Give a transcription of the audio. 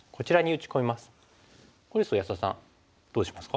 これですと安田さんどうしますか？